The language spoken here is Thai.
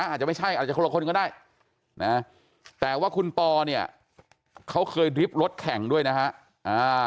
อาจจะไม่ใช่อาจจะคนละคนก็ได้นะแต่ว่าคุณปอเนี่ยเขาเคยดริบรถแข่งด้วยนะฮะ